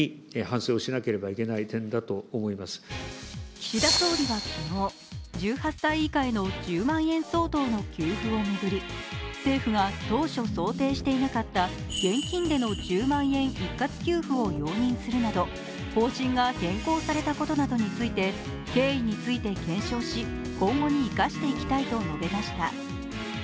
岸田総理は昨日、１８歳以下への１０万円相当の給付を巡り政府が当初想定していなかった現金での１０万円一括給付を容認するなど方針が変更されたことなどについて、経緯について検証し今後に生かしていきたいと述べました。